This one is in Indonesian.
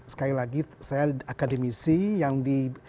sekali lagi saya akademisi yang di